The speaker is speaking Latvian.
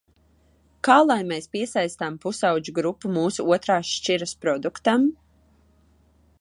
Kā lai mēs piesaistām pusaudžu grupu mūsu otrās šķiras produktam?